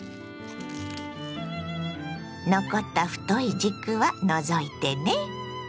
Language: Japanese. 残った太い軸は除いてね。